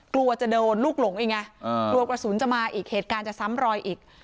กลัวจะโดนลูกหลงอีกไงกลัวกระสุนจะมาอีกเหตุการณ์จะซ้ำรอยอีก